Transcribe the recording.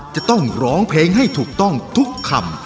จะต้องร้องเพลงให้ถูกต้องทุกคำ